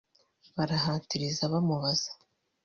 Barahatiriza bamubaza